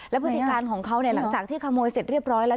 แล้วพฤติกาลของเขาเนี่ยหลังจากที่ขโมยเสร็จเรียบร้อย